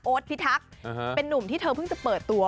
โอ๊ตพี่ทักเป็นนุ่มที่เธอเพิ่งจะเปิดตัว